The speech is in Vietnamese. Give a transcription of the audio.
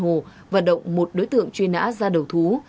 hoạt động một đối tượng truy nã ra đầu thú